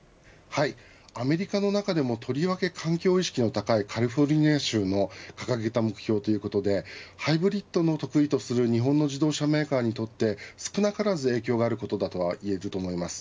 アメリカの中でも、とりわけ環境意識の高いカリフォルニア州の掲げた目標ということでハイブリッドの得意とする日本の自動車メーカーにとって少なからず影響があると言えます。